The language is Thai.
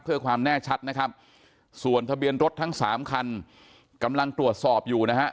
เพื่อความแน่ชัดนะครับส่วนทะเบียนรถทั้งสามคันกำลังตรวจสอบอยู่นะฮะ